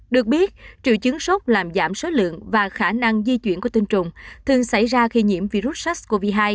được biết triệu chứng sốt làm giảm số lượng và khả năng di chuyển của tinh trùng thường xảy ra khi nhiễm virus sars cov hai